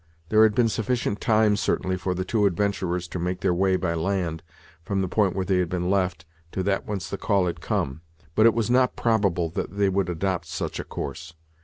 There had been sufficient time, certainly, for the two adventurers to make their way by land from the point where they had been left to that whence the call had come, but it was not probable that they would adopt such a course.